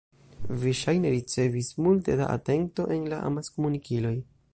Vi ŝajne ricevis multe da atento en la amaskomunikiloj.